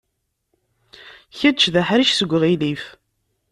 Kečč d aḥric seg uɣilif.